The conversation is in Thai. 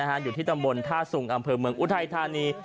ไปทะบันอยู่ที่ต้ำมุณท่าสุ่งอำเพิลเมืองอุไทยทลานี